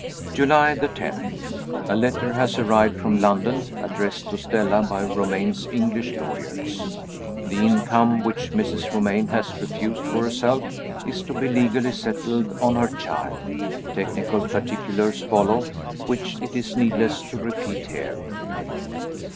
July 10. A letter has arrived from London, addressed to Stella by Romayne's English lawyers. The income which Mrs. Romayne has refused for herself is to be legally settled on her child. Technical particulars follow, which it is needless to repeat here.